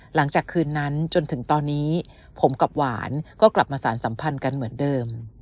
หลังจากคืนนั้นจนถึงตอนนี้ผมกับหวานก็กลับมาสารสัมพันธ์กันเหมือนเดิม